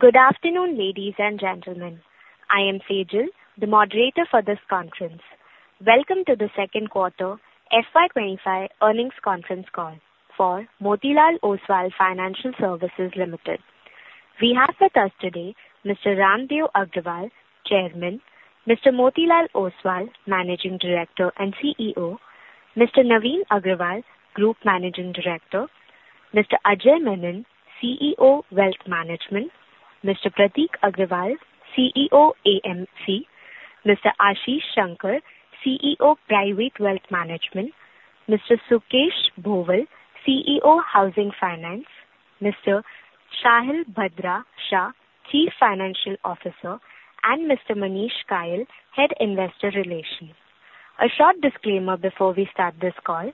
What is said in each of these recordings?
Good afternoon, ladies and gentlemen. I am Sejal, the moderator for this conference. Welcome to the Second Quarter FY25 Earnings Conference Call for Motilal Oswal Financial Services Limited. We have with us today Mr. Raamdeo Agrawal, Chairman, Mr. Motilal Oswal, Managing Director and CEO, Mr. Naveen Agrawal, Group Managing Director, Mr. Ajay Menon, CEO, Wealth Management, Mr. Prateek Agrawal, CEO, AMC, Mr. Ashish Shankar, CEO, Private Wealth Management, Mr. Sukesh Bhowal, CEO, Housing Finance, Mr. Shalibhadra Shah, Chief Financial Officer, and Mr. Manish Kayal, Head Investor Relations. A short disclaimer before we start this call.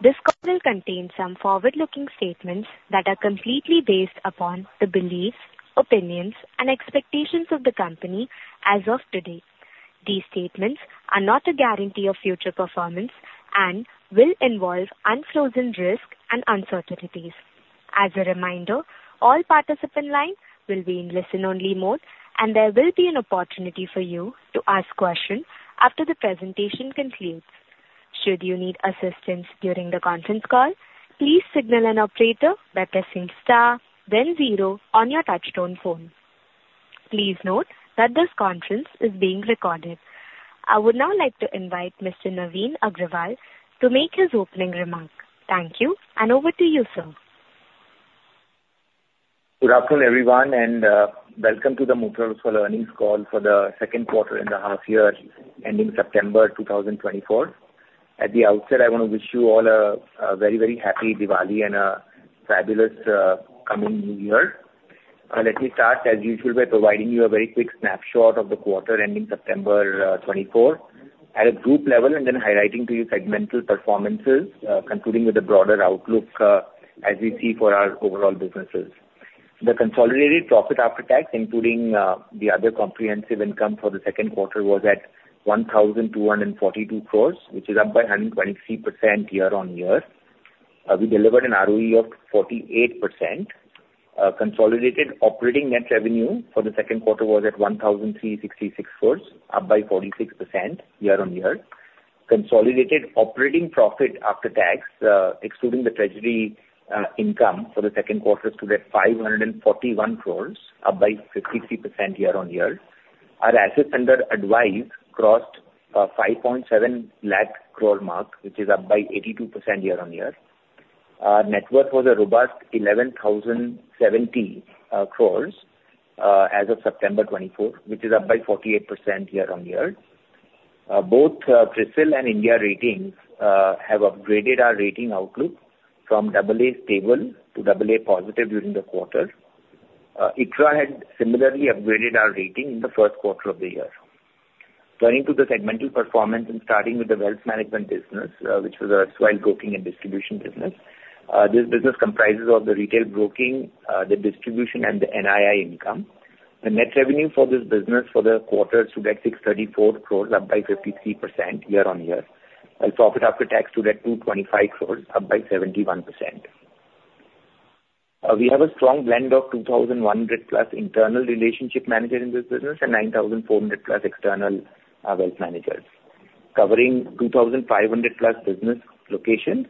This call will contain some forward-looking statements that are completely based upon the beliefs, opinions, and expectations of the company as of today. These statements are not a guarantee of future performance and will involve unforeseen risks and uncertainties. As a reminder, all participants in line will be in listen-only mode, and there will be an opportunity for you to ask questions after the presentation concludes. Should you need assistance during the conference call, please signal an operator by pressing star then zero on your touchtone phone. Please note that this conference is being recorded. I would now like to invite Mr. Naveen Agrawal to make his opening remark. Thank you, and over to you, sir. Good afternoon, everyone, and welcome to the Motilal Oswal earnings call for the second quarter in the half year ending September 2024. At the outset, I want to wish you all a very, very happy Diwali and a fabulous coming new year. Let me start, as usual, by providing you a very quick snapshot of the quarter ending September twenty-four at a group level, and then highlighting to you segmental performances, concluding with a broader outlook as we see for our overall businesses. The consolidated profit after tax, including the other comprehensive income for the second quarter, was at 1,242 crores, which is up by 123% year-on-year. We delivered an ROE of 48%. Consolidated operating net revenue for the second quarter was at 1,366 crores, up by 46% year-on-year. Consolidated operating profit after tax, excluding the treasury, income for the second quarter, stood at 541 crores, up by 53% year-on-year. Our assets under advice crossed, 5.7 lakh crore mark, which is up by 82% year-on-year. Our net worth was a robust 11,070 crores, as of September 2024, which is up by 48% year-on-year. Both, CRISIL and India Ratings, have upgraded our rating outlook from AA Stable to AA Positive during the quarter. ICRA had similarly upgraded our rating in the first quarter of the year. Turning to the segmental performance and starting with the wealth management business, which was our wealth broking and distribution business. This business comprises of the retail broking, the distribution, and the NII income. The net revenue for this business for the quarter stood at 634 crores, up by 53% year-on-year, while profit after tax stood at 225 crores, up by 71%. We have a strong blend of 2,100 plus internal relationship managers in this business and 9,400 plus external wealth managers, covering 2,500 plus business locations,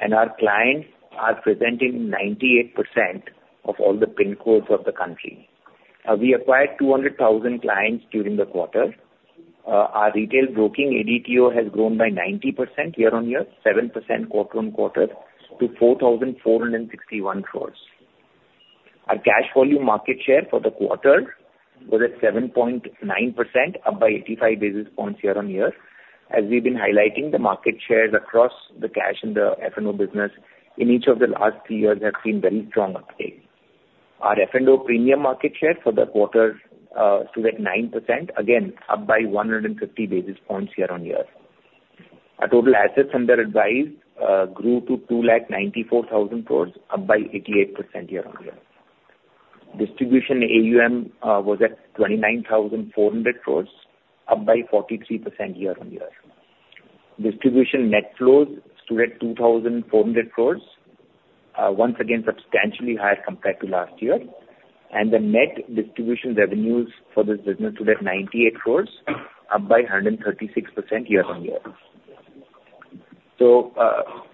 and our clients are present in 98% of all the PIN codes of the country. We acquired 200,000 clients during the quarter. Our retail broking ADTO has grown by 90% year-on-year, 7% quarter-on-quarter to 4,461 crores. Our cash volume market share for the quarter was at 7.9%, up by 85 basis points year-on-year. As we've been highlighting, the market shares across the cash and the F&O business in each of the last three years have seen very strong uptake. Our F&O premium market share for the quarter stood at 9%, again, up by 150 basis points year-on-year. Our total assets under advice grew to 294,000 crore, up by 88% year-on-year. Distribution AUM was at 29,400 crore, up by 43% year-on-year. Distribution net flows stood at 2,400 crore, once again, substantially higher compared to last year. And the net distribution revenues for this business stood at 98 crore, up by 136% year-on-year. So,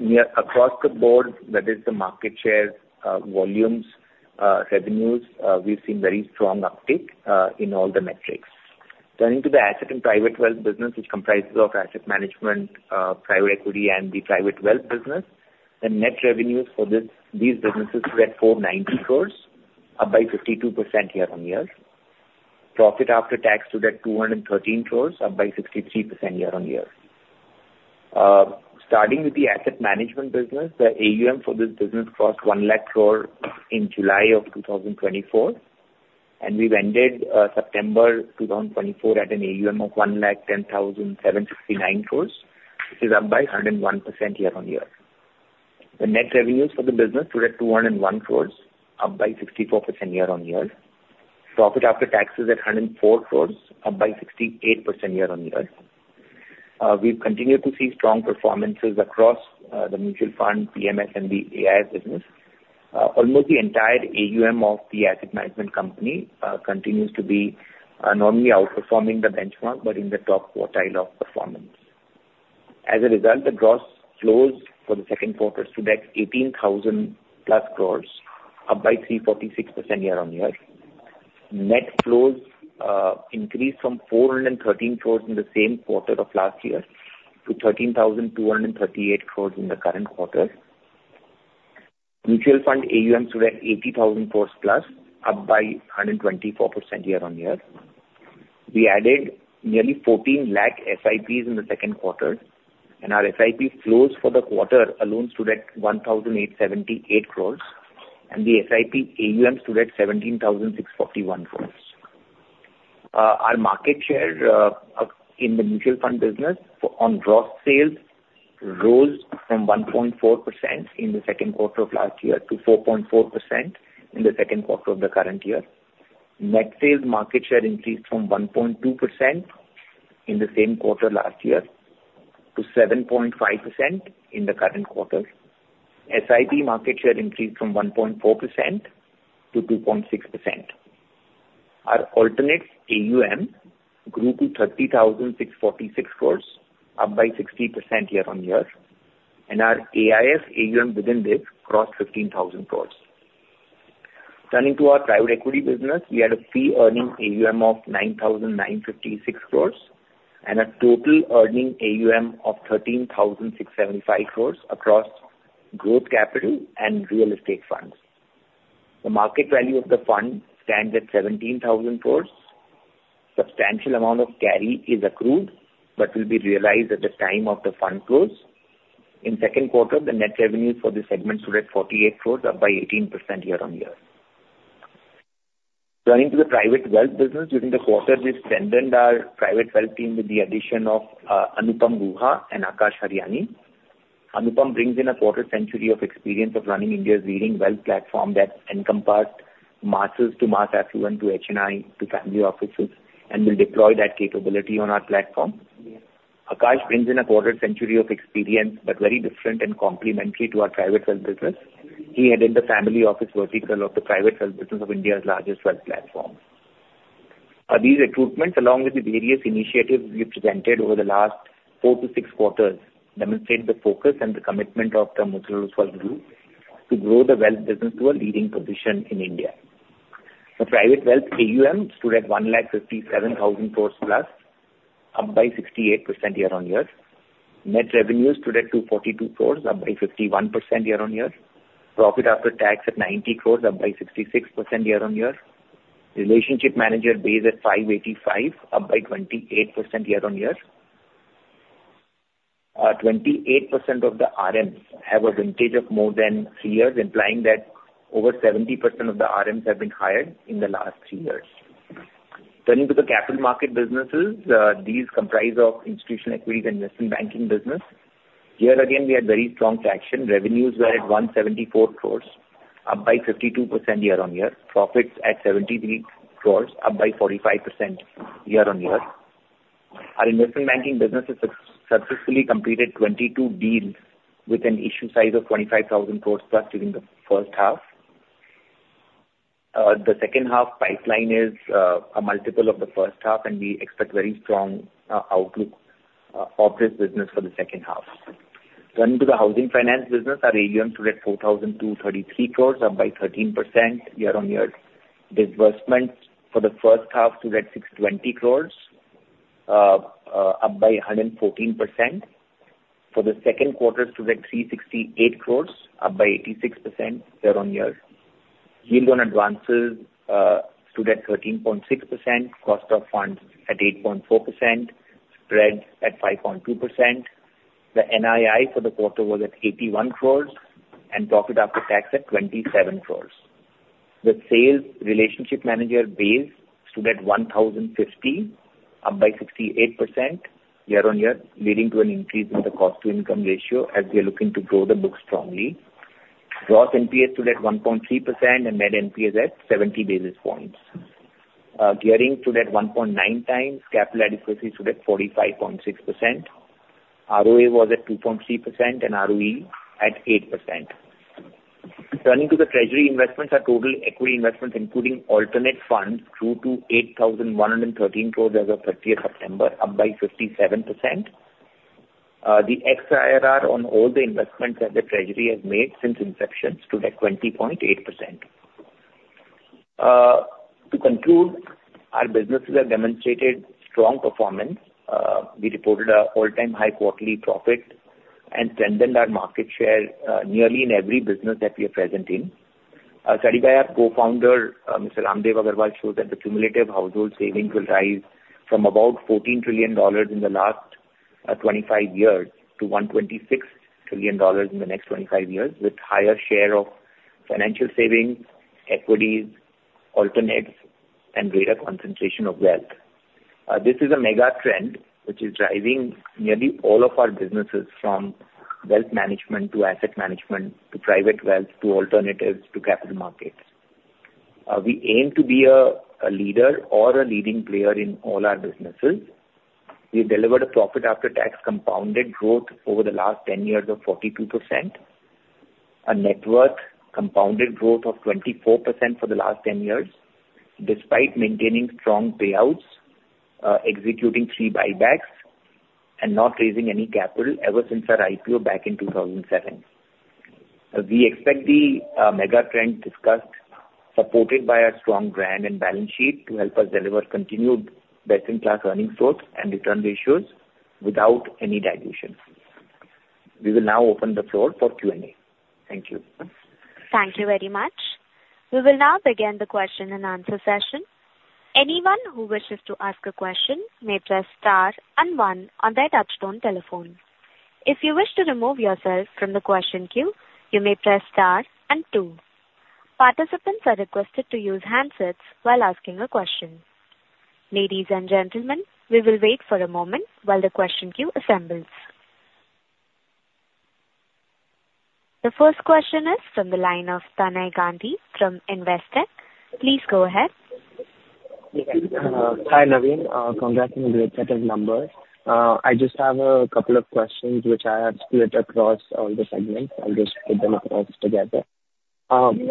we are across the board, that is the market share, volumes, revenues, we've seen very strong uptick in all the metrics. Turning to the asset and private wealth business, which comprises of asset management, private equity, and the private wealth business, the net revenues for this, these businesses were at 490 crores, up by 52% year-on-year. Profit after tax stood at 213 crores, up by 63% year-on-year. Starting with the asset management business, the AUM for this business crossed one lakh crore in July of two thousand twenty-four, and we've ended September two thousand twenty-four at an AUM of 1,10,769 crores, which is up by 101% year-on-year. The net revenues for the business stood at 201 crores, up by 64% year-on-year. Profit after taxes at 104 crores, up by 68% year-on-year. We've continued to see strong performances across the mutual fund, PMS and the AIF business. Almost the entire AUM of the asset management company continues to be not only outperforming the benchmark, but in the top quartile of performance. As a result, the gross flows for the second quarter stood at 18,000+ crores, up by 346% year-on-year. Net flows increased from 413 crores in the same quarter of last year to 13,238 crores in the current quarter. Mutual fund AUM stood at 80,000 crores+, up by 124% year-on-year. We added nearly 14 lakh SIPs in the second quarter, and our SIP flows for the quarter alone stood at 1,878 crores, and the SIP AUM stood at 17,641 crores. Our market share up in the mutual fund business on gross sales rose from 1.4% in the second quarter of last year to 4.4% in the second quarter of the current year. Net sales market share increased from 1.2% in the same quarter last year to 7.5% in the current quarter. SIP market share increased from 1.4% to 2.6%. Our alternatives AUM grew to 30,646 crores, up by 60% year-on-year, and our AIF AUM within this crossed 15,000 crores. Turning to our private equity business, we had a fee earning AUM of 9,956 crores and a total earning AUM of 13,675 crores across growth capital and real estate funds. The market value of the fund stands at 17,000 crores. Substantial amount of carry is accrued, but will be realized at the time of the fund close. In second quarter, the net revenue for this segment stood at 48 crores, up 18% year-on-year. Turning to the private wealth business, during the quarter, we strengthened our private wealth team with the addition of Anupam Guha and Akash Haryani. Anupam brings in a quarter century of experience of running India's leading wealth platform that encompassed masses to mass affluent, to HNI, to family offices, and will deploy that capability on our platform. Akash brings in a quarter century of experience, but very different and complementary to our private wealth business. He headed the family office vertical of the private wealth business of India's largest wealth platform. These recruitments, along with the various initiatives we've presented over the last four to six quarters, demonstrate the focus and the commitment of the Private Client Group to grow the wealth business to a leading position in India. The private wealth AUM stood at 157,000 crores plus, up by 68% year-on-year. Net revenues stood at 242 crores, up by 51% year-on-year. Profit after tax at 90 crores, up by 66% year-on-year. Relationship manager base at 585, up by 28% year-on-year. 28% of the RMs have a vintage of more than three years, implying that over 70% of the RMs have been hired in the last three years. Turning to the capital market businesses, these comprise of institutional equities and investment banking business. Here, again, we had very strong traction. Revenues were at 174 crores, up by 52% year-on-year. Profits at 73 crores, up by 45% year-on-year. Our investment banking business has successfully completed 22 deals with an issue size of 25,000 crores plus during the first half. The second half pipeline is a multiple of the first half, and we expect very strong outlook of this business for the second half. Turning to the housing finance business, our AUM stood at 4,233 crores, up by 13% year-on-year. Disbursements for the first half stood at 620 crores, up by 114%. For the second quarter, stood at 368 crores, up by 86% year-on-year. Yield on advances stood at 13.6%, cost of funds at 8.4%, spread at 5.2%. The NII for the quarter was at 81 crores and profit after tax at 27 crores. The sales relationship manager base stood at 1,050, up by 68% year-on-year, leading to an increase in the cost-to-income ratio as we are looking to grow the book strongly. Gross NPA stood at 1.3% and net NPA is at 70 basis points. Gearing stood at 1.9 times. Capital adequacy stood at 45.6%. ROA was at 2.3% and ROE at 8%. Turning to the treasury investments, our total equity investments, including alternative funds, grew to 8,113 crores as of 30th September, up by 57%. The XIRR on all the investments that the treasury has made since inception stood at 20.8%. To conclude, our businesses have demonstrated strong performance. We reported an all-time high quarterly profit and strengthened our market share nearly in every business that we are present in. Our co-founder, Mr. Raamdeo Agrawal, shows that the cumulative household savings will rise from about $14 trillion in the last 25 years to $126 trillion in the next 25 years, with higher share of financial savings, equities, alternatives, and greater concentration of wealth. This is a mega trend, which is driving nearly all of our businesses, from wealth management to asset management, to private wealth, to alternatives, to capital markets. We aim to be a leader or a leading player in all our businesses. We've delivered a profit after tax compounded growth over the last ten years of 42%, a network compounded growth of 24% for the last ten years, despite maintaining strong payouts, executing three buybacks, and not raising any capital ever since our IPO back in 2007. We expect the mega trend discussed, supported by our strong brand and balance sheet, to help us deliver continued best-in-class earnings growth and return ratios without any dilution. We will now open the floor for Q&A. Thank you. Thank you very much. We will now begin the question and answer session. Anyone who wishes to ask a question may press star and one on their touchtone telephone. If you wish to remove yourself from the question queue, you may press star and two. Participants are requested to use handsets while asking a question. Ladies and gentlemen, we will wait for a moment while the question queue assembles. The first question is from the line of Tanay Gandhi from Investec. Please go ahead. Hi, Naveen. Congrats on the great set of numbers. I just have a couple of questions which I have split across all the segments. I'll just put them across together.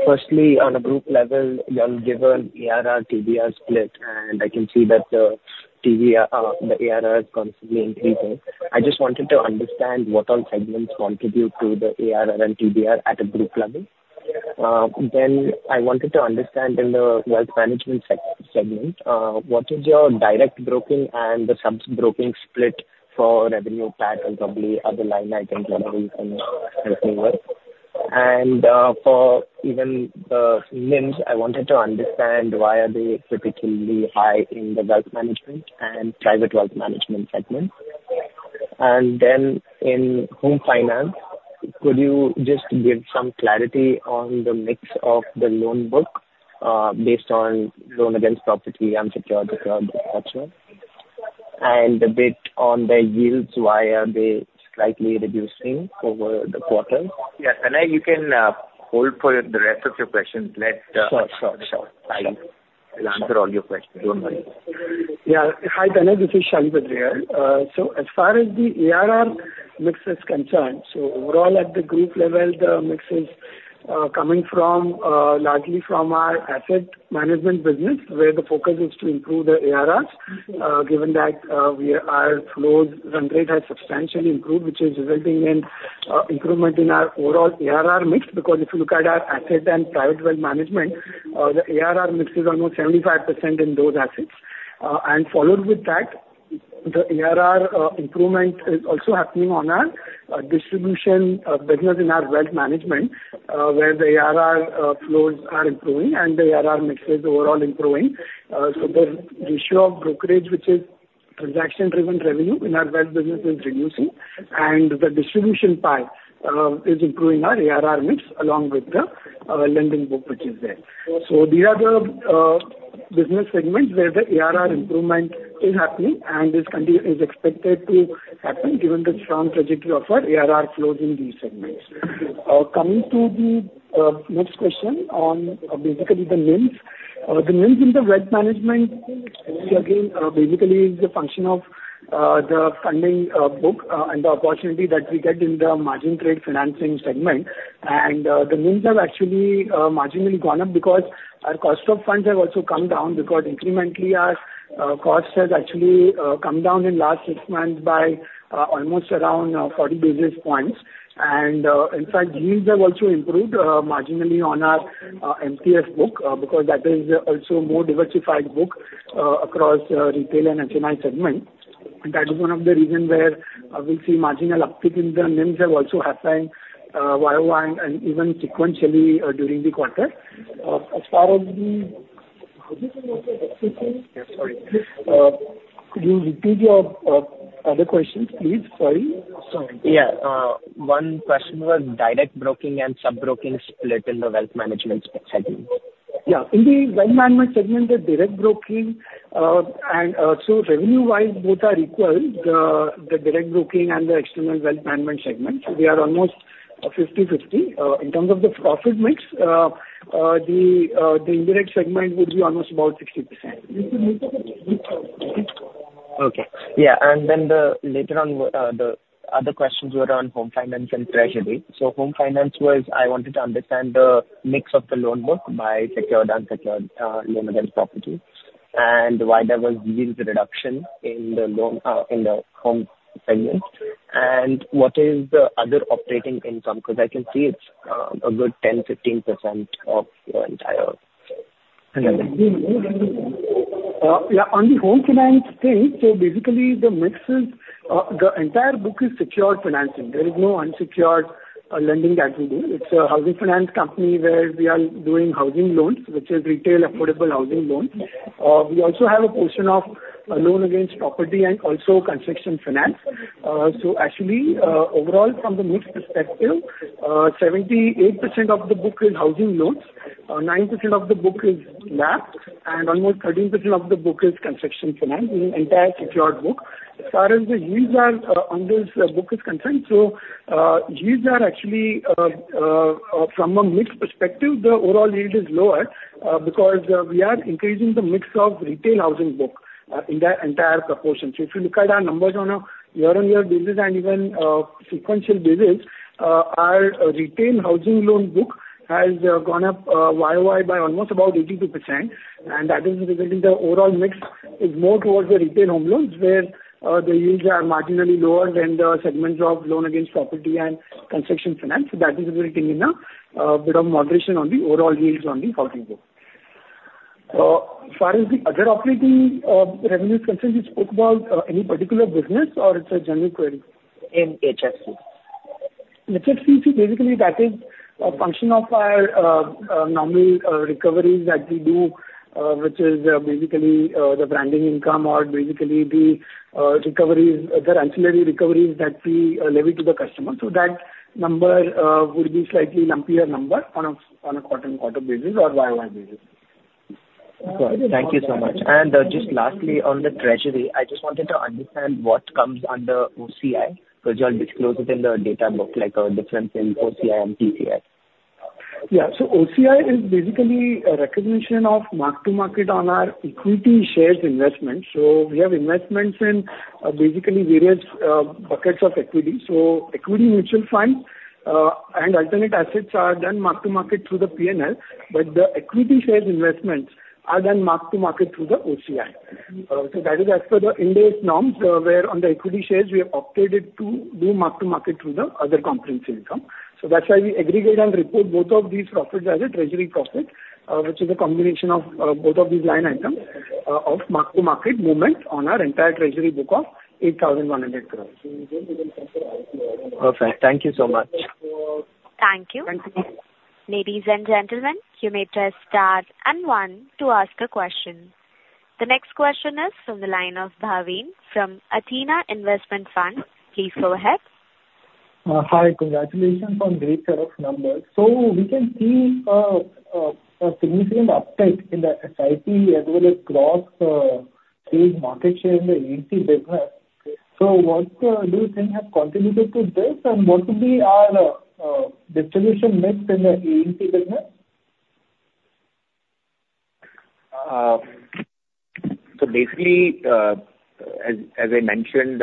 Firstly, on a group level, you have given ARR, TBR split, and I can see that the TBR, the ARR is constantly increasing. I just wanted to understand what all segments contribute to the ARR and TBR at a group level. Then I wanted to understand in the wealth management segment, what is your direct broking and the sub-broking split for revenue pie and probably other line items, whatever you can help me with? For even the NIMs, I wanted to understand why are they particularly high in the wealth management and private wealth management segment? And then in housing finance, could you just give some clarity on the mix of the loan book, based on loan against property and secured, unsecured, et cetera? And a bit on the yields, why are they slightly reducing over the quarter? Yeah, Tanay, you can hold for the rest of your questions. Let, Sure, sure, sure. I will answer all your questions. Don't worry. Yeah. Hi, Tanay, this is Shalibhadra. So as far as the ARR mix is concerned, so overall, at the group level, the mix is coming from largely from our asset management business, where the focus is to improve the ARRs, given that our flows run rate has substantially improved, which is resulting in improvement in our overall ARR mix. Because if you look at our asset and private wealth management, the ARR mix is almost 75% in those assets. And followed with that, the ARR improvement is also happening on our distribution business in our wealth management, where the ARR flows are improving and the ARR mix is overall improving. So the ratio of brokerage, which is transaction-driven revenue in our wealth business, is reducing, and the distribution pie is improving our ARR mix along with the lending book, which is there. So these are the business segments where the ARR improvement is happening and is expected to happen given the strong trajectory of our ARR flows in these segments. Coming to the next question on basically the NIMs. The NIMs in the wealth management basically is a function of the funding book and the opportunity that we get in the margin trade financing segment. And the NIMs have actually marginally gone up because our cost of funds have also come down, because incrementally, our costs has actually come down in last six months by almost around 40 basis points. In fact, yields have also improved marginally on our MTF book because that is also a more diversified book across retail and HNI segment. And that is one of the reason where we see marginal uptick in the NIMs have also happened YOY and even sequentially during the quarter. As far as the... Yeah, sorry. Could you repeat your other questions, please? Sorry. Yeah. One question was direct broking and sub-broking split in the wealth management segment. Yeah. In the wealth management segment, the direct broking and so revenue-wise, both are equal, the direct broking and the external wealth management segment, so we are almost fifty-fifty. In terms of the profit mix, the indirect segment would be almost about 60%. Okay. Yeah, and then later on, the other questions were on housing finance and treasury. So housing finance was, I wanted to understand the mix of the loan book by secured, unsecured, loan against property, and why there was yield reduction in the loan, in the home segment. And what is the other operating income? Because I can see it's a good 10%-15% of your entire lending. Yeah, on the home finance thing, so basically, the mix is, the entire book is secured financing. There is no unsecured, lending that we do. It's a housing finance company, where we are doing housing loans, which is retail affordable housing loans. We also have a portion of a loan against property and also construction finance. So actually, overall, from the mix perspective, 78% of the book is housing loans, 9% of the book is LAPs, and almost 13% of the book is construction finance, the entire secured book. As far as the yields are, on this book is concerned, so, yields are actually, from a mixed perspective, the overall yield is lower, because, we are increasing the mix of retail housing book, in that entire proportion. So if you look at our numbers on a year-on-year basis and even sequential basis, our retail housing loan book has gone up YOY by almost about 82%, and that is resulting the overall mix is more towards the retail home loans, where the yields are marginally lower than the segments of loan against property and construction finance. So that is resulting in a bit of moderation on the overall yields on the housing book. As far as the other operating revenue is concerned, you spoke about any particular business or it's a general query? In HFC. HFC, so basically that is a function of our normal recoveries that we do, which is basically the branding income or basically the recoveries, other ancillary recoveries that we levy to the customer. So that number would be slightly lumpier number on a quarter-on-quarter basis or YOY basis. Got it. Thank you so much. And, just lastly, on the treasury, I just wanted to understand what comes under OCI, because you have disclosed it in the data book, like, difference in OCI and P&L. Yeah. So OCI is basically a recognition of mark-to-market on our equity shares investment. So we have investments in, basically various, buckets of equity. So equity mutual fund, and alternate assets are done mark-to-market through the P&L, but the equity shares investments are done mark-to-market through the OCI. So that is as per the Ind AS norms, where on the equity shares we have opted it to do mark-to-market through the other comprehensive income. So that's why we aggregate and report both of these profits as a treasury profit, which is a combination of, both of these line items, of mark-to-market movement on our entire treasury book of 8,100 crores. Perfect. Thank you so much. Thank you. Thank you. Ladies and gentlemen, you may press star and One to ask a question. The next question is from the line of Bhavin from Athena Investments. Please go ahead. Hi. Congratulations on great set of numbers. So we can see a significant uptick in the SIP as well as gains in market share in the AUM business. So what do you think has contributed to this, and what would be our distribution mix in the AUM business? So basically, as I mentioned,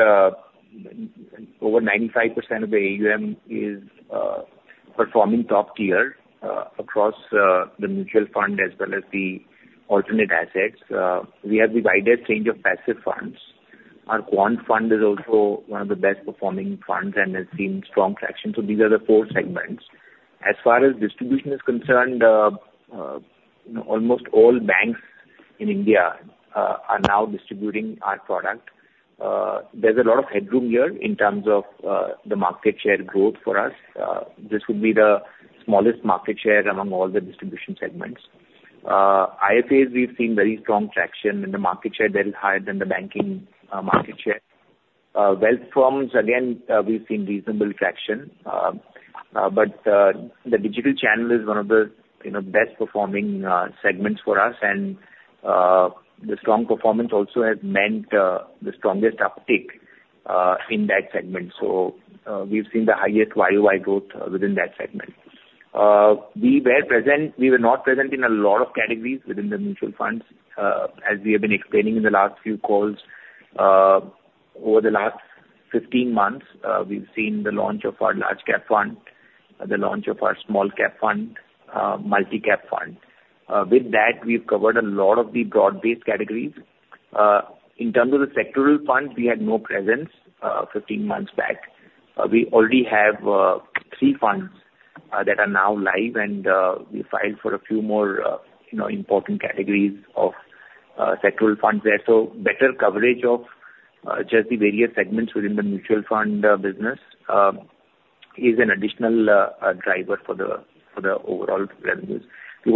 over 95% of the AUM is performing top tier across the mutual fund as well as the alternative assets. We have the widest range of passive funds. Our Quant Fund is also one of the best performing funds and has seen strong traction. So these are the four segments. As far as distribution is concerned, you know, almost all banks in India are now distributing our product. There's a lot of headroom here in terms of the market share growth for us. This would be the smallest market share among all the distribution segments. IFAs, we've seen very strong traction, and the market share there is higher than the banking market share. Wealth firms, again, we've seen reasonable traction. But the digital channel is one of the, you know, best performing segments for us. And the strong performance also has meant the strongest uptick in that segment. So we've seen the highest YOY growth within that segment. We were present... We were not present in a lot of categories within the mutual funds. As we have been explaining in the last few calls, over the last fifteen months, we've seen the launch of our large cap fund, the launch of our small cap fund, multi-cap fund. With that, we've covered a lot of the broad-based categories. In terms of the sectoral funds, we had no presence fifteen months back. We already have three funds that are now live, and we filed for a few more, you know, important categories of sectoral funds there. So better coverage of just the various segments within the mutual fund business is an additional driver for the overall revenues. We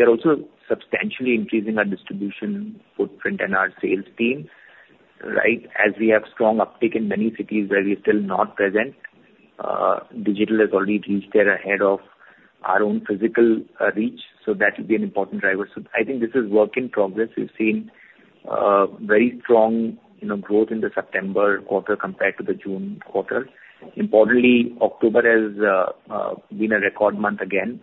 are also substantially increasing our distribution footprint and our sales team, right, as we have strong uptick in many cities where we're still not present. Digital has already reached there ahead of our own physical reach, so that will be an important driver. So I think this is work in progress. We've seen very strong, you know, growth in the September quarter compared to the June quarter. Importantly, October has been a record month again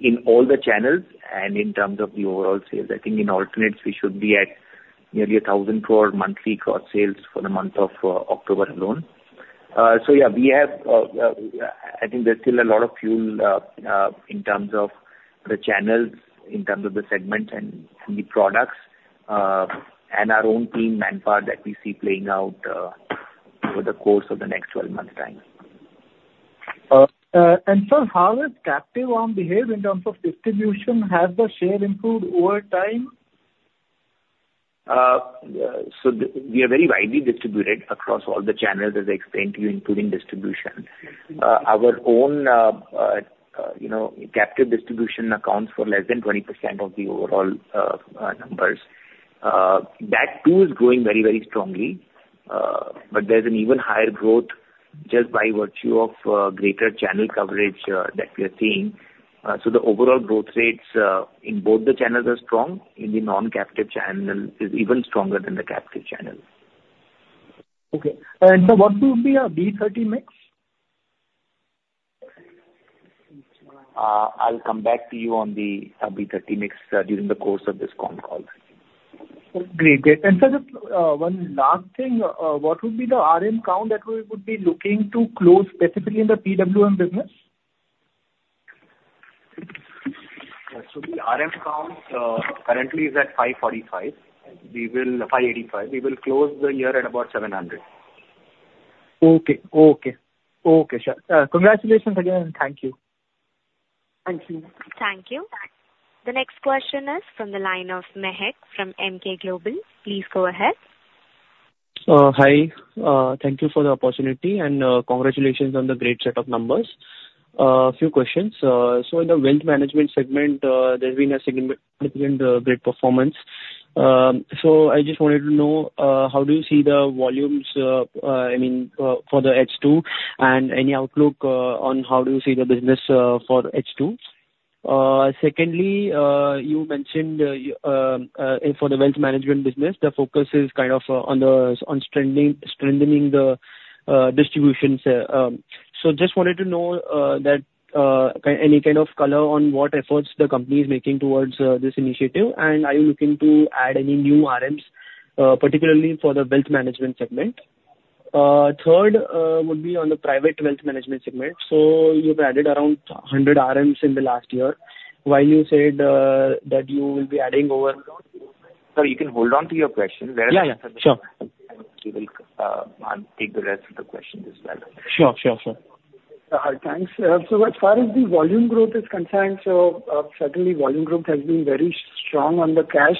in all the channels and in terms of the overall sales. I think in alternatives we should be at nearly 1,000 crore monthly cross sales for the month of October alone. So yeah, we have I think there's still a lot of fuel in terms of the channels, in terms of the segments and the products, and our own team manpower that we see playing out over the course of the next twelve-month time. And sir, how does captive arm behave in terms of distribution? Has the share improved over time? So we are very widely distributed across all the channels, as I explained to you, including distribution. Our own, you know, captive distribution accounts for less than 20% of the overall numbers. That too is growing very, very strongly, but there's an even higher growth just by virtue of greater channel coverage that we are seeing. So the overall growth rates in both the channels are strong. In the non-captive channel is even stronger than the captive channel. Okay. And so what would be our B30 mix? I'll come back to you on the, on B30 mix during the course of this con call. Great. Great. And, sir, just, one last thing. What would be the RM count that we would be looking to close specifically in the PWM business? Yeah. So the RM count currently is at 545. 585. We will close the year at about 700. Okay, sure. Congratulations again, and thank you. Thank you. Thank you. The next question is from the line of Mahek from Emkay Global. Please go ahead. Hi. Thank you for the opportunity, and, congratulations on the great set of numbers. A few questions, so in the wealth management segment, there's been a significant, great performance. So I just wanted to know, how do you see the volumes, I mean, for the H2, and any outlook, on how do you see the business, for H2? Secondly, you mentioned, for the wealth management segment management business, the focus is kind of on the, on strengthening the, distributions, so just wanted to know, that, any kind of color on what efforts the company is making towards, this initiative, and are you looking to add any new RMs, particularly for the wealth management segment? Third, would be on the Private Wealth Management segment. So you've added around hundred RMs in the last year, while you said that you will be adding over- Sir, you can hold on to your question. Yeah, yeah. Sure. We will, I'll take the rest of the questions as well. Sure, sure, sure. Thanks. So as far as the volume growth is concerned, certainly volume growth has been very strong on the cash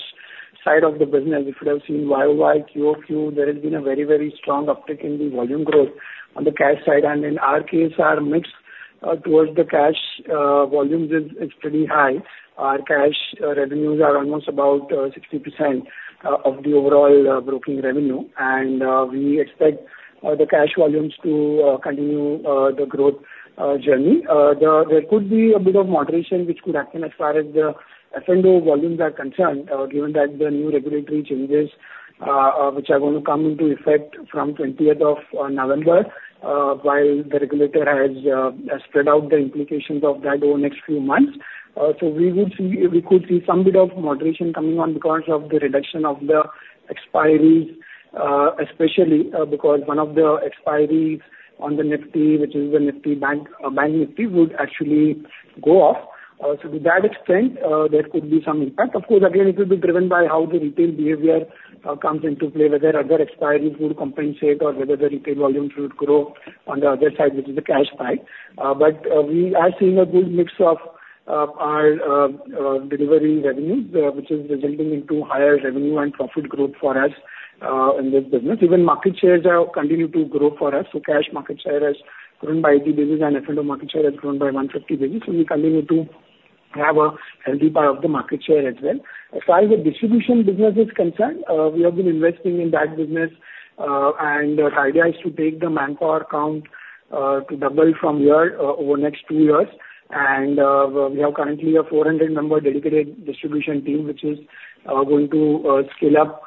side of the business. If you'd have seen YOY, QOQ, there has been a very, very strong uptick in the volume growth on the cash side. And in our case, our mix towards the cash volumes is pretty high. Our cash revenues are almost about 60% of the overall brokering revenue. And we expect the cash volumes to continue the growth journey. The... There could be a bit of moderation which could happen as far as the F&O volumes are concerned, given that the new regulatory changes, which are going to come into effect from twentieth of November, while the regulator has spread out the implications of that over the next few months. So we would see- we could see some bit of moderation coming on because of the reduction of the expiries, especially, because one of the expiries on the Nifty, which is the Bank Nifty, would actually go off. So to that extent, there could be some impact. Of course, again, it will be driven by how the retail behavior comes into play, whether other expiries would compensate or whether the retail volumes would grow on the other side, which is the cash side. But we are seeing a good mix of our delivering revenues, which is resulting into higher revenue and profit growth for us in this business. Even market shares have continued to grow for us. So cash market share has grown by 80 basis points, and F&O market share has grown by 150 basis points. So we continue to have a healthy part of the market share as well. As far as the distribution business is concerned, we have been investing in that business, and the idea is to take the manpower count to double from here over the next two years. And we have currently a 400-member dedicated distribution team, which is going to scale up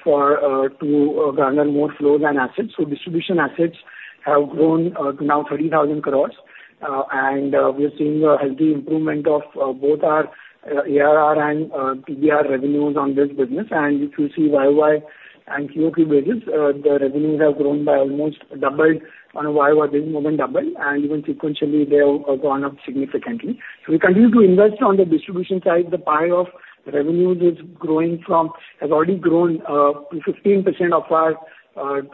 to garner more flows and assets. So distribution assets have grown to now 30,000 crores. And we are seeing a healthy improvement of both our ARR and TBR revenues on this business. And if you see YOY and QOQ basis, the revenues have grown by almost doubled on a YOY basis, more than double, and even sequentially, they have gone up significantly. So we continue to invest on the distribution side. The pie of revenues has already grown to 15% of our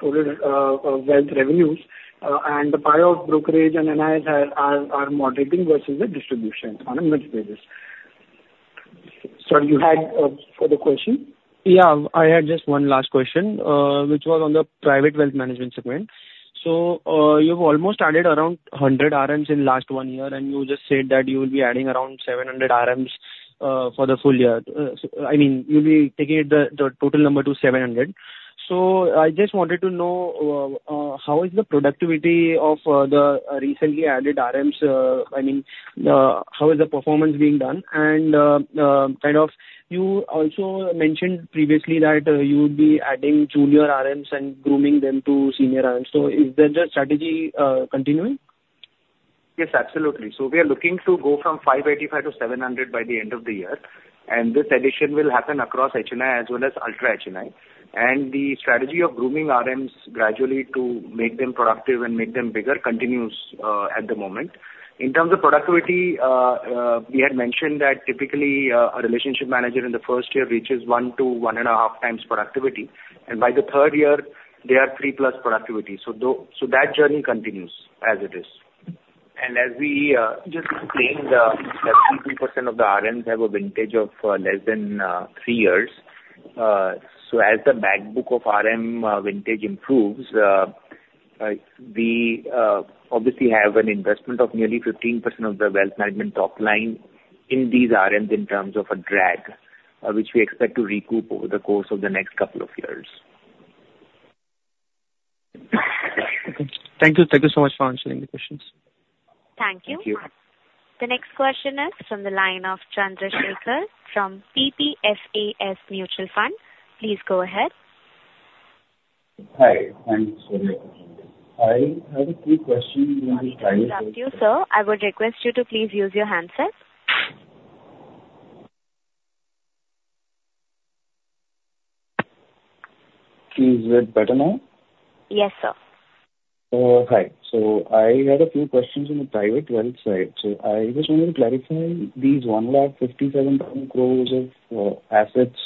total wealth revenues. And the pie of brokerage and NII are moderating versus the distribution on a mix basis. Sorry, you had further question? Yeah, I had just one last question, which was on the private wealth management segment. So, you've almost added around 100 RMs in last one year, and you just said that you will be adding around 700 RMs for the full year. So I mean, you'll be taking the total number to 700. So I just wanted to know how is the productivity of the recently added RMs, I mean, how is the performance being done? And kind of you also mentioned previously that you would be adding junior RMs and grooming them to senior RMs. So is the strategy continuing? Yes, absolutely. So we are looking to go from 585 to 700 by the end of the year, and this addition will happen across HNI as well as Ultra HNI. The strategy of grooming RMs gradually to make them productive and make them bigger continues at the moment. In terms of productivity, we had mentioned that typically a relationship manager in the first year reaches one to one and a half times productivity, and by the third year, they are 3+ productivity. So that journey continues as it is. And as we just explained that 50% of the RMs have a vintage of less than three years. So as the back book of RM vintage improves, we obviously have an investment of nearly 15% of the wealth management top line in these RMs in terms of a drag.... which we expect to recoup over the course of the next couple of years. Thank you. Thank you so much for answering the questions. Thank you. Thank you. The next question is from the line of Chandrasekhar from PPFAS Mutual Fund. Please go ahead. Hi. Thanks for the opportunity. I have a few questions in the private- We can't hear you, sir. I would request you to please use your handset. Is it better now? Yes, sir. Hi. So I had a few questions on the private wealth side. So I just wanted to clarify, these one lakh fifty-seven thousand crores of assets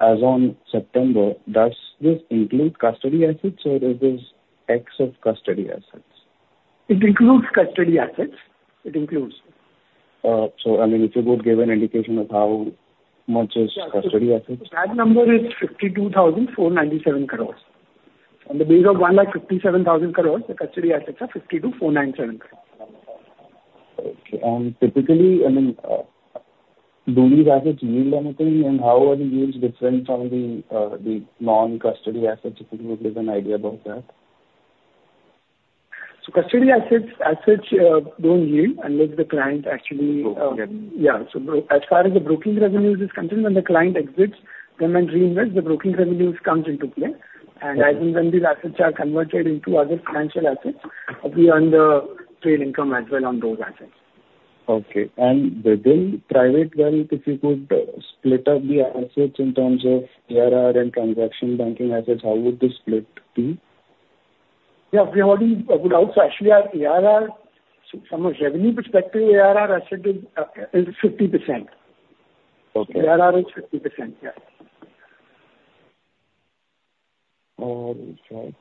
as on September, does this include custody assets or is this ex of custody assets? It includes custody assets. It includes. So, I mean, if you could give an indication of how much is custody assets? That number is 52,497 crores. On the basis of 157,000 crores, the custody assets are 52,497 crores. Okay. And typically, I mean, do these assets yield anything, and how are the yields different from the non-custody assets? If you could give an idea about that. So custody assets as such, don't yield unless the client actually, Brokering. As far as the broking revenues is concerned, when the client exits, then when reinvest, the broking revenues comes into play. Okay. I think when these assets are converted into other financial assets, we earn the trade income as well on those assets. Okay. And within private wealth, if you could split up the assets in terms of ARR and transaction banking assets, how would the split be? Yeah, we already would actually have ARR. From a revenue perspective, ARR asset is 50%. Okay. ARR is 50%, yeah. So,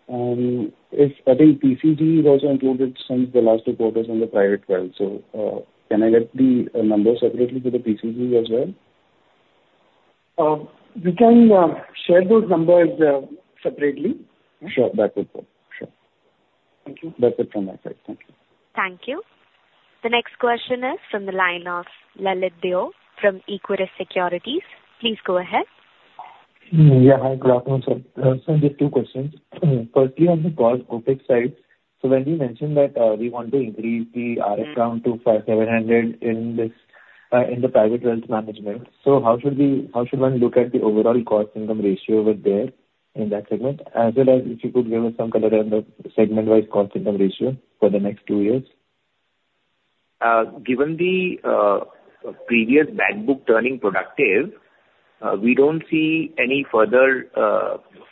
and if, I think PCG is also included since the last quarters on the private wealth, so, can I get the numbers separately for the PCG as well? We can share those numbers separately. Sure, that would work. Sure. Thank you. That's it from my side. Thank you. Thank you. The next question is from the line of Lalit Deo from Equirus Securities. Please go ahead. Yeah, hi, good afternoon, sir. So just two questions. Firstly, on the core Opex side, so when you mentioned that, we want to increase the RM count to 500-700 in this, in the private wealth management, so how should we- how should one look at the overall cost-income ratio over there in that segment? As well as if you could give us some color on the segment-wide cost-income ratio for the next two years. Given the previous back book turning productive, we don't see any further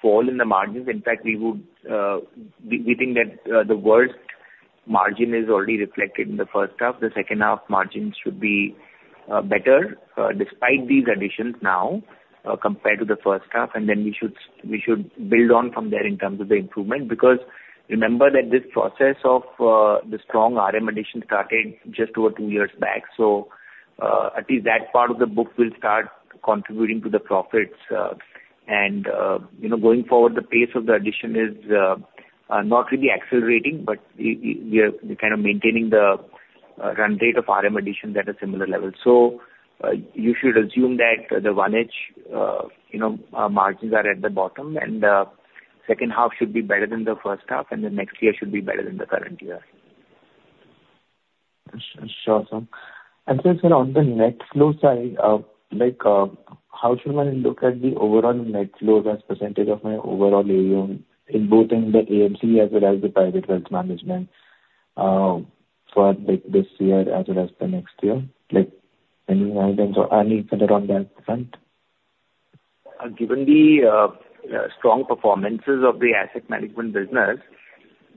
fall in the margins. In fact, we would, we think that the worst margin is already reflected in the first half. The second half margins should be better, despite these additions now, compared to the first half, and then we should build on from there in terms of the improvement. Because remember that this process of the strong RM addition started just over two years back, so at least that part of the book will start contributing to the profits. And you know, going forward, the pace of the addition is not really accelerating, but we are kind of maintaining the run rate of RM additions at a similar level. You should assume that the low end, you know, margins are at the bottom, and the second half should be better than the first half, and then next year should be better than the current year. Sure, sure, sir. And so, sir, on the net flow side, like, how should one look at the overall net flow as percentage of my overall AUM in both in the AMC as well as the private wealth management, for, like, this year as well as the next year? Like, any guidance or any color on that front? Given the strong performances of the asset management business,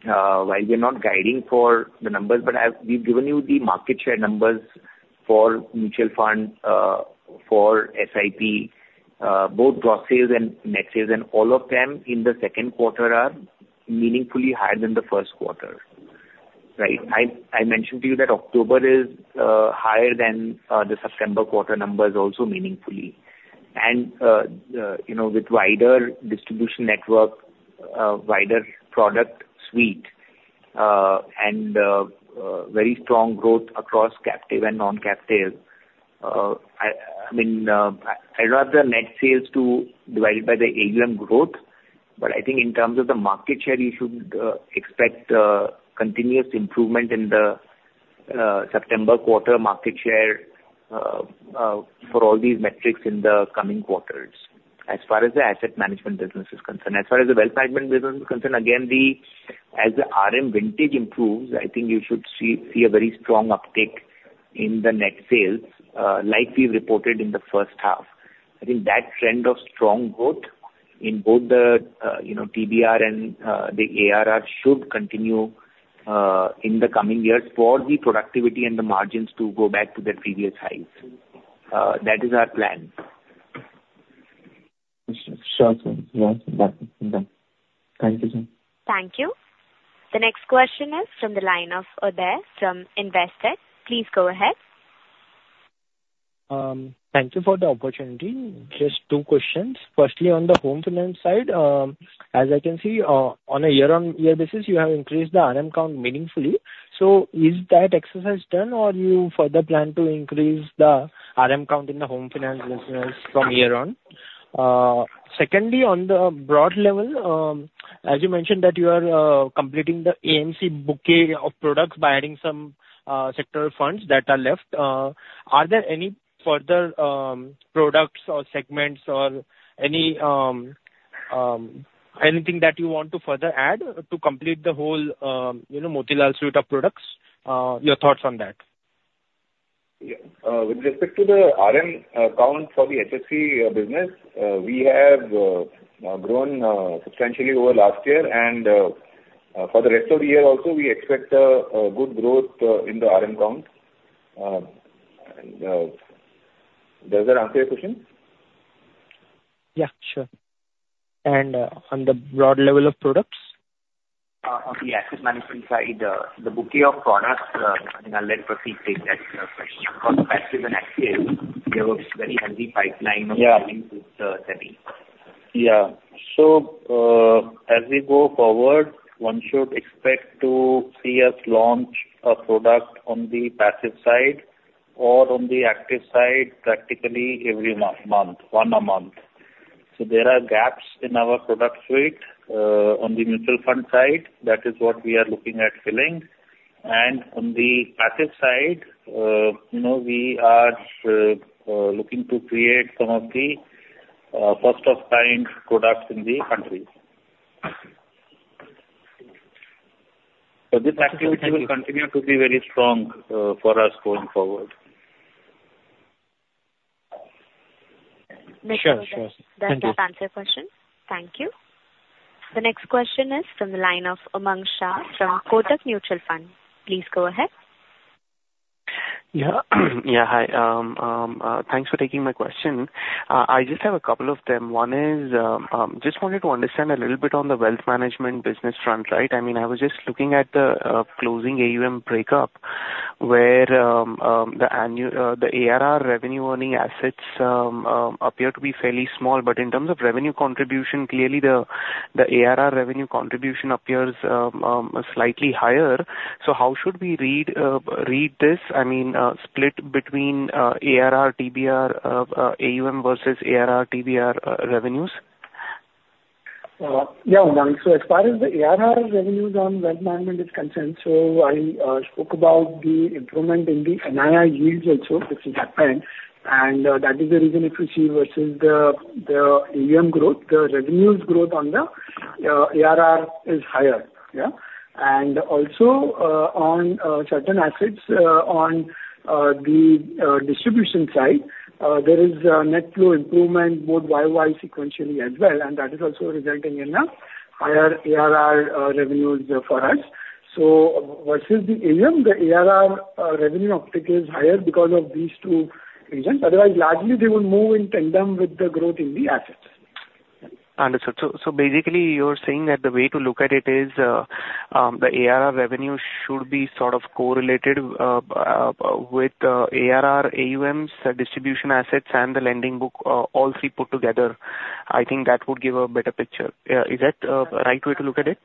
while we're not guiding for the numbers, but we've given you the market share numbers for mutual fund for SIP, both gross sales and net sales, and all of them in the second quarter are meaningfully higher than the first quarter, right? I mentioned to you that October is higher than the September quarter numbers also meaningfully. You know, with wider distribution network, wider product suite, and very strong growth across captive and non-captive, I mean, I'd rather net sales to divide by the AUM growth. But I think in terms of the market share, you should expect continuous improvement in the September quarter market share for all these metrics in the coming quarters, as far as the asset management business is concerned. As far as the wealth management business is concerned, again, as the RM vintage improves, I think you should see a very strong uptick in the net sales, like we've reported in the first half. I think that trend of strong growth in both the, you know, TBR and the ARR should continue in the coming years for the productivity and the margins to go back to their previous highs. That is our plan. Sure, sure, sir. Yeah, done. Done. Thank you, sir. Thank you. The next question is from the line of Uday from Investec. Please go ahead. Thank you for the opportunity. Just two questions. Firstly, on the home finance side, as I can see, on a year-on-year basis, you have increased the RM count meaningfully. So is that exercise done, or you further plan to increase the RM count in the home finance business from here on?... Secondly, on the broad level, as you mentioned, that you are completing the AMC bouquet of products by adding some sectoral funds that are left. Are there any further products or segments or anything that you want to further add to complete the whole, you know, Motilal suite of products? Your thoughts on that? Yeah. With respect to the RM count for the HFC business, we have grown substantially over last year, and for the rest of the year also, we expect a good growth in the RM count, and does that answer your question? Yeah, sure. And, on the broad level of products? On the asset management side, the bouquet of products, and I'll let Prateek take that question. Because passive and active, we have a very heavy pipeline of- Yeah. -uh, setting. Yeah. So, as we go forward, one should expect to see us launch a product on the passive side or on the active side, practically every month, one a month. So there are gaps in our product suite. On the mutual fund side, that is what we are looking at filling. And on the passive side, you know, we are looking to create some of the first-of-kind products in the country. So this activity will continue to be very strong for us going forward. Sure, sure. Thank you. Does that answer your question? Thank you. The next question is from the line of Umang Shah from Kotak Mutual Fund. Please go ahead. Yeah. Yeah, hi. Thanks for taking my question. I just have a couple of them. One is, just wanted to understand a little bit on the wealth management business front, right? I mean, I was just looking at the, closing AUM breakup, where, the ARR revenue-earning assets, appear to be fairly small. But in terms of revenue contribution, clearly the, the ARR revenue contribution appears, slightly higher. So how should we read this? I mean, split between, ARR, TBR, AUM versus ARR, TBR, revenues? Yeah, Umang. So as far as the ARR revenues on wealth management is concerned, so I spoke about the improvement in the NII yields also, which is happened, and that is the reason if you see versus the, the AUM growth, the revenues growth on the ARR is higher. Yeah? And also, on certain assets, on the distribution side, there is a net flow improvement both YY sequentially as well, and that is also resulting in a higher ARR revenues for us. So versus the AUM, the ARR revenue optic is higher because of these two reasons. Otherwise, largely they will move in tandem with the growth in the assets. Understood. So basically you're saying that the way to look at it is, the ARR revenue should be sort of correlated with ARR, AUMs, the distribution assets, and the lending book, all three put together. I think that would give a better picture. Yeah. Is that right way to look at it?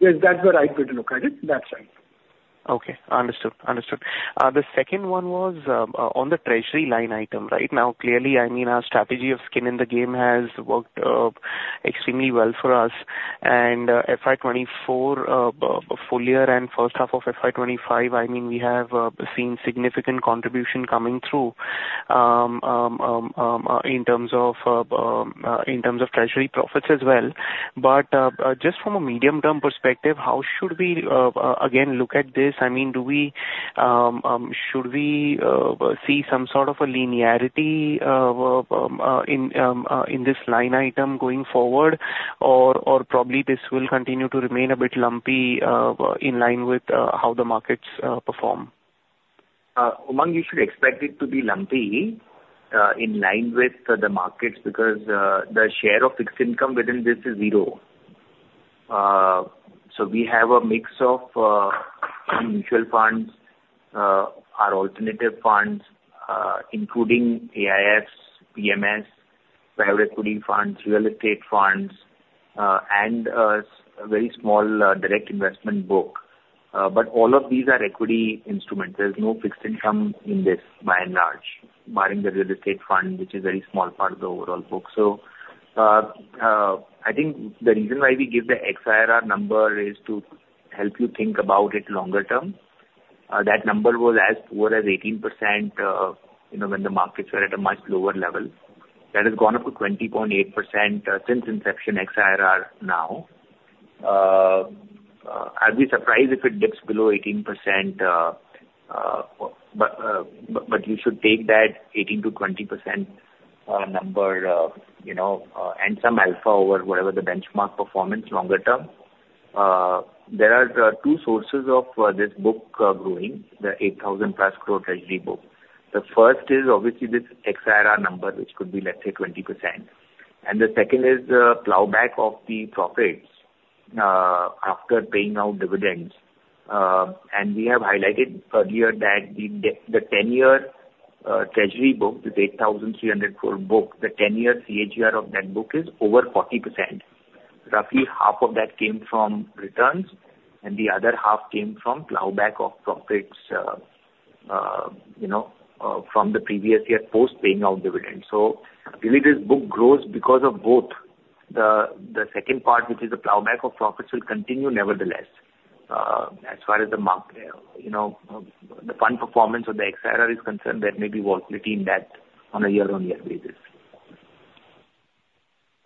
Yes, that's the right way to look at it. That's right. Okay. Understood. Understood. The second one was on the treasury line item. Right now, clearly, I mean, our strategy of skin in the game has worked extremely well for us. And FY 2024 full year and first half of FY 2025, I mean, we have seen significant contribution coming through in terms of treasury profits as well. But just from a medium-term perspective, how should we again look at this? I mean, should we see some sort of a linearity in this line item going forward? Or probably this will continue to remain a bit lumpy in line with how the markets perform? Umang, you should expect it to be lumpy, in line with the markets, because, the share of fixed income within this is zero. So we have a mix of, mutual funds, our alternative funds, including AIF, PMS, private equity funds, real estate funds, and, a very small, direct investment book. But all of these are equity instruments. There's no fixed income in this, by and large, barring the real estate fund, which is a very small part of the overall book. So, I think the reason why we give the XIRR number is to help you think about it longer term. That number was as poor as 18%, you know, when the markets were at a much lower level. That has gone up to 20.8%, since inception, XIRR now. I'll be surprised if it dips below 18%, but you should take that 18%-20% number, you know, and some alpha over whatever the benchmark performance, longer term. There are two sources of this book growing, the 8,000+ crore treasury book. The first is obviously this XIRR number, which could be, let's say, 20%. And the second is the plowback of the profits after paying out dividends. And we have highlighted earlier that the ten-year treasury book, this 8,300 crore book, the ten-year CAGR of that book is over 40%. Roughly half of that came from returns, and the other half came from plowback of profits, you know, from the previous year, post paying out dividends. So really, this book grows because of both. The second part, which is the plowback of profits, will continue nevertheless. As far as the market, you know, the fund performance of the XIRR is concerned, that may be volatility in that on a year-on-year basis.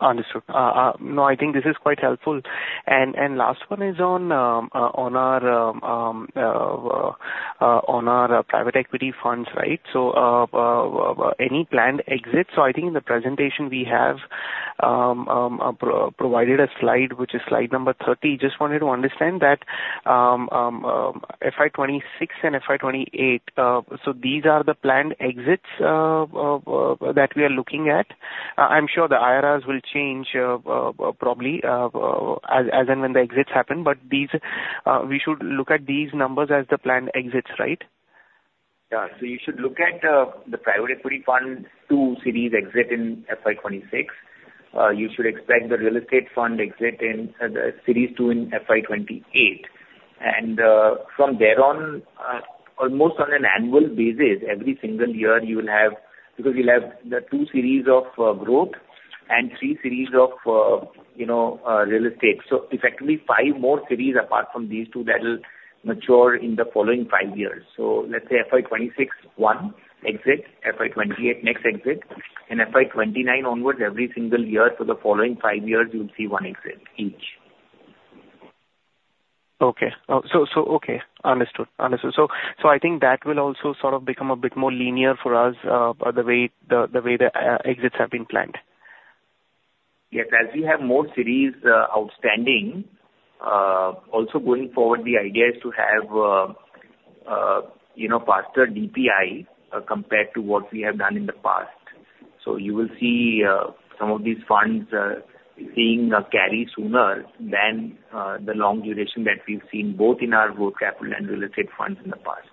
Understood. No, I think this is quite helpful, and last one is on our private equity funds, right? So, any planned exits. So I think in the presentation we have provided a slide, which is slide number 30. Just wanted to understand that FY 2026 and FY 2028, so these are the planned exits that we are looking at? I'm sure the IRRs will change, probably, as and when the exits happen, but these we should look at these numbers as the planned exits, right? Yeah. So you should look at the private equity fund two series exit in FY 2026. You should expect the real estate fund exit in the series two in FY 2028. From there on, almost on an annual basis, every single year you will have... Because you'll have the two series of growth and three series of you know real estate. So effectively, five more series apart from these two that will mature in the following five years. Let's say FY 2026, one exit, FY 2028, next exit, and FY 2029 onwards, every single year for the following five years, you'll see one exit each. Okay. So, okay. Understood. So, I think that will also sort of become a bit more linear for us, by the way, the way the exits have been planned. Yes. As we have more series outstanding, also going forward, the idea is to have, you know, faster DPI compared to what we have done in the past. So you will see some of these funds being carried sooner than the long duration that we've seen, both in our growth capital and real estate funds in the past.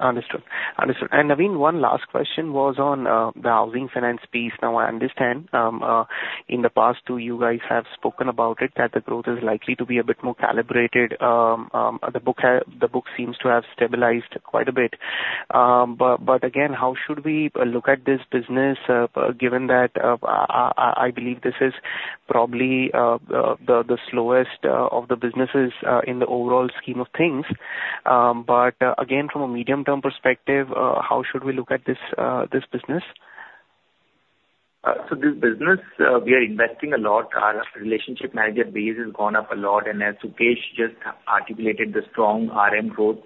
Understood. Understood. And Naveen, one last question was on the housing finance piece. Now, I understand in the past, too, you guys have spoken about it, that the growth is likely to be a bit more calibrated. The book seems to have stabilized quite a bit. But again, how should we look at this business given that I believe this is probably the slowest of the businesses in the overall scheme of things? But again, from a medium-term perspective, how should we look at this business? So this business, we are investing a lot. Our relationship manager base has gone up a lot, and as Sukesh just articulated, the strong RM growth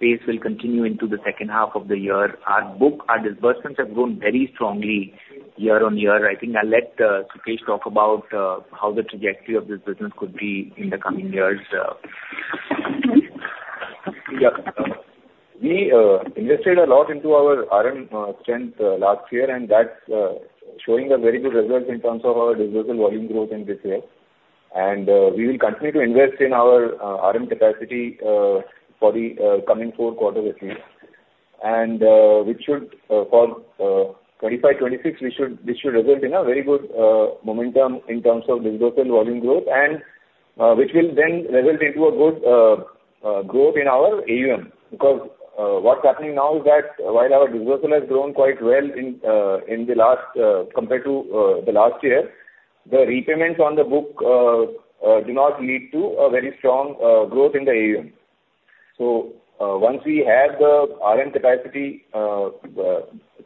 base will continue into the second half of the year. Our book, our disbursements have grown very strongly year on year. I think I'll let Sukesh talk about how the trajectory of this business could be in the coming years. Yeah. We invested a lot into our RM strength last year, and that's showing a very good result in terms of our disbursal volume growth in this year, and we will continue to invest in our RM capacity for the coming four quarters at least. Which should for 25, 26. This should result in a very good momentum in terms of disbursement volume growth and which will then result into a good growth in our AUM. Because what's happening now is that while our disbursement has grown quite well in the last compared to the last year, the repayments on the book do not lead to a very strong growth in the AUM, so once we have the RM capacity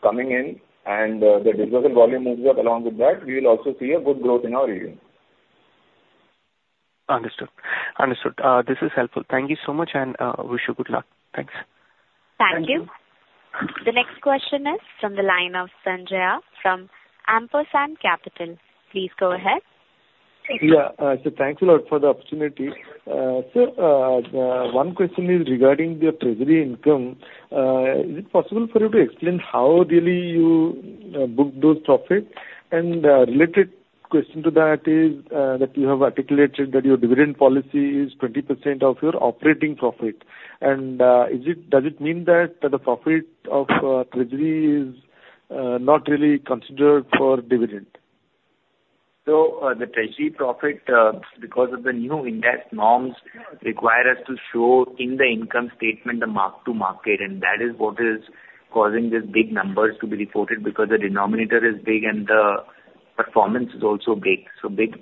coming in and the disbursement volume moves up along with that, we will also see a good growth in our AUM. Understood. Understood. This is helpful. Thank you so much, and wish you good luck. Thanks. Thank you. Thank you. The next question is from the line of Sanjay from Ampersand Capital. Please go ahead. Yeah. So thanks a lot for the opportunity. So, one question is regarding your treasury income. Is it possible for you to explain how really you book those profits? And, related question to that is, that you have articulated that your dividend policy is 20% of your operating profit. And, is it- does it mean that, the profit of treasury is not really considered for dividend? The treasury profit, because of the new Ind AS norms, require us to show in the income statement, the mark-to-market, and that is what is causing these big numbers to be reported, because the denominator is big and the performance is also big. Big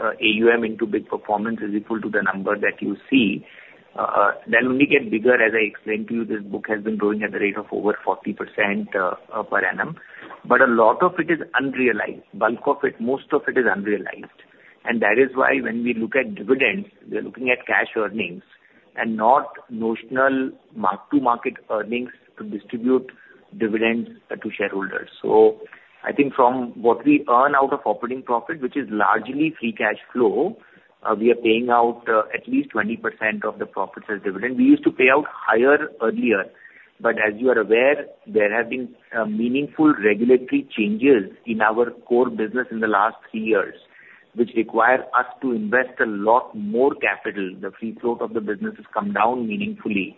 AUM into big performance is equal to the number that you see. That will only get bigger. As I explained to you, this book has been growing at a rate of over 40%, per annum. But a lot of it is unrealized. Bulk of it, most of it is unrealized. And that is why when we look at dividends, we are looking at cash earnings and notional mark-to-market earnings to distribute dividends to shareholders. So I think from what we earn out of operating profit, which is largely free cash flow, we are paying out at least 20% of the profits as dividend. We used to pay out higher earlier, but as you are aware, there have been meaningful regulatory changes in our core business in the last three years, which require us to invest a lot more capital. The free flow of the business has come down meaningfully.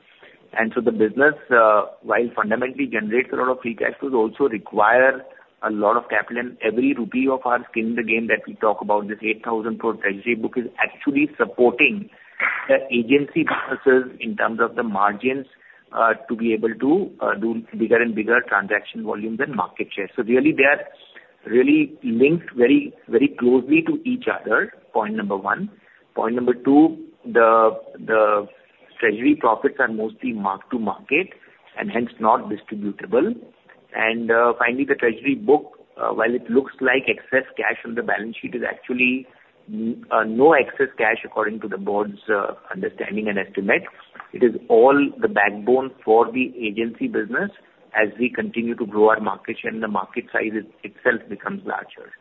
And so the business, while fundamentally generates a lot of free cash flows, also require a lot of capital, and every rupee of our skin in the game that we talk about, this 8,000 crore treasury book, is actually supporting the agency businesses in terms of the margins, to be able to do bigger and bigger transaction volumes and market share. So really, they are really linked very, very closely to each other, point number one. Point number two, the treasury profits are mostly mark to market and hence not distributable. And, finally, the treasury book, while it looks like excess cash on the balance sheet, is actually no excess cash according to the board's understanding and estimate. It is all the backbone for the agency business as we continue to grow our market share and the market size itself becomes larger.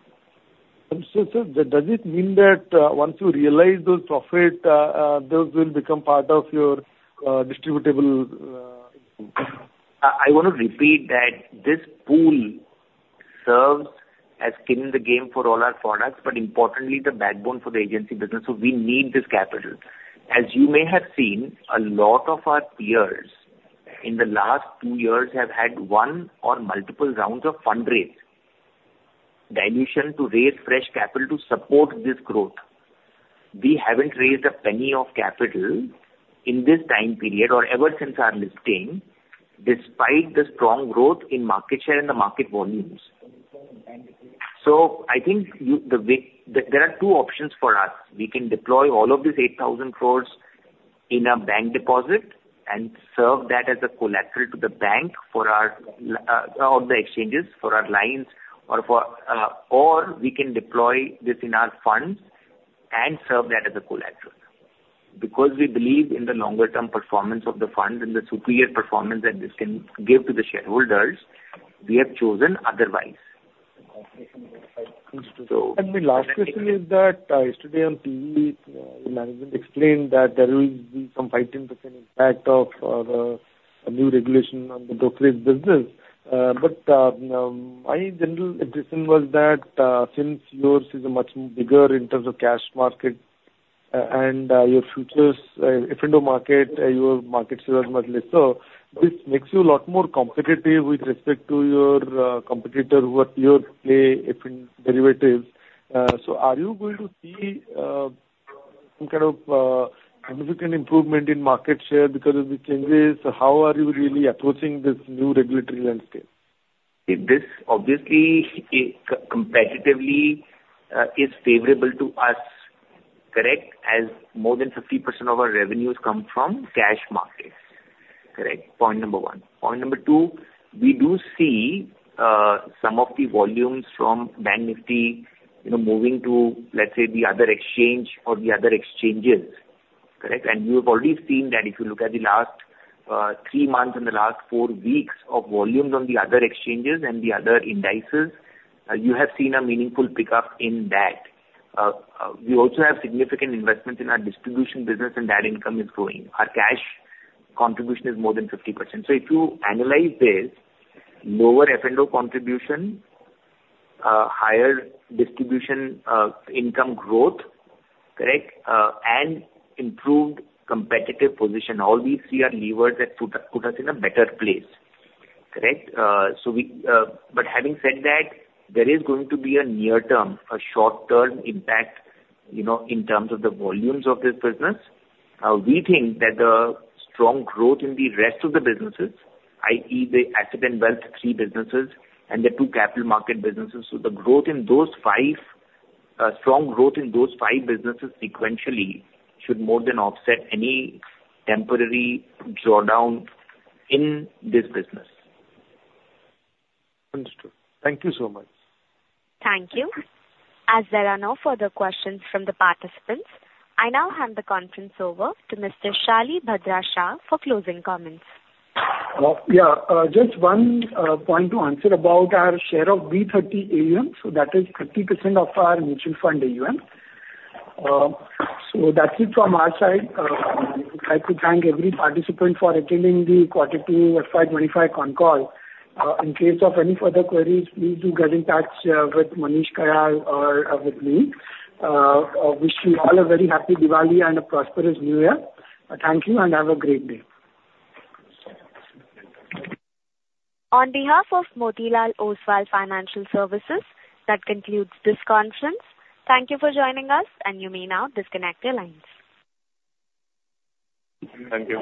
Sir, does it mean that once you realize those profit, those will become part of your distributable income? I want to repeat that this pool serves as skin in the game for all our products, but importantly the backbone for the agency business, so we need this capital. As you may have seen, a lot of our peers in the last two years have had one or multiple rounds of fundraise. Dilution to raise fresh capital to support this growth. We haven't raised a penny of capital in this time period or ever since our listing, despite the strong growth in market share and the market volumes. So I think there are two options for us. We can deploy all of these 8,000 crores in a bank deposit and serve that as a collateral to the bank for our, all the exchanges, for our lines or for, or we can deploy this in our funds and serve that as a collateral. Because we believe in the longer term performance of the fund and the superior performance that this can give to the shareholders, we have chosen otherwise. So- The last question is that yesterday on TV your management explained that there will be some 15% impact of a new regulation on the brokerage business. But my general understanding was that since yours is a much bigger in terms of cash market and your futures F&O market your market share is much less. So this makes you a lot more competitive with respect to your competitor who are pure play F&O derivatives. So are you going to see some kind of significant improvement in market share because of the changes? How are you really approaching this new regulatory landscape? This obviously, it competitively is favorable to us. Correct? As more than 50% of our revenues come from cash markets. Correct, point number one. Point number two, we do see some of the volumes from Bank Nifty, you know, moving to, let's say, the other exchange or the other exchanges, correct? And you've already seen that if you look at the last three months and the last four weeks of volumes on the other exchanges and the other indices, you have seen a meaningful pickup in that. We also have significant investments in our distribution business, and that income is growing. Our cash contribution is more than 50%. So if you analyze this, lower F&O contribution, higher distribution income growth, correct? And improved competitive position. All these three are levers that put us in a better place, correct? So we... But having said that, there is going to be a near-term, a short-term impact, you know, in terms of the volumes of this business. We think that the strong growth in the rest of the businesses, i.e. the asset and wealth three businesses and the two capital market businesses, so the growth in those five, strong growth in those five businesses sequentially, should more than offset any temporary drawdown in this business. Understood. Thank you so much. Thank you. As there are no further questions from the participants, I now hand the conference over to Mr. Shalibhadra Shah for closing comments. Yeah, just one point to answer about our share of B30 AUM, so that is 30% of our mutual fund AUM. So that's it from our side. I would like to thank every participant for attending the quarterly Q1 FY25 con call. In case of any further queries, please do get in touch with Manish Kayal or with me. Wish you all a very happy Diwali and a prosperous New Year. Thank you, and have a great day. On behalf of Motilal Oswal Financial Services, that concludes this conference. Thank you for joining us, and you may now disconnect your lines. Thank you.